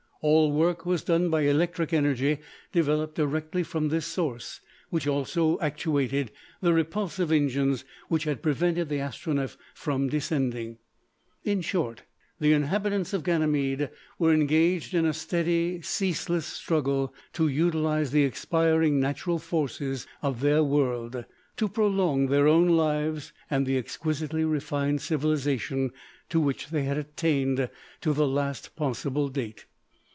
All work was done by electric energy developed directly from this source, which also actuated the repulsive engines which had prevented the Astronef from descending. In short, the inhabitants of Ganymede were engaged in a steady, ceaseless struggle to utilise the expiring natural forces of their world to prolong their own lives and the exquisitely refined civilisation to which they had attained to the latest possible date.